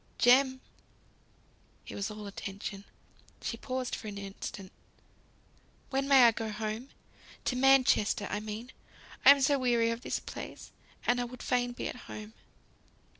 "Jem!" He was all attention. She paused for an instant. "When may I go home? To Manchester, I mean. I am so weary of this place; and I would fain be at home."